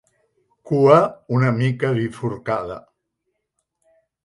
Cua una mica bifurcada.